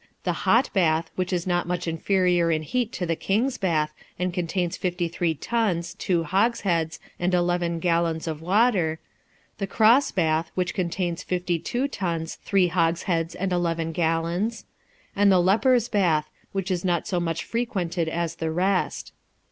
the Hot Bath, which is not much inferior in heat to the King's Bath, and contains 53 tons, 2 hogsheads, and 11 gallons of water ; the Cross Bath, which contains 52 tons, 3 hogsheads, and 11 gallons ; and the Leper's Bath, which is not so much frequented as the rest.